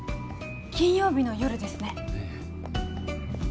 金曜日の夜ですねええ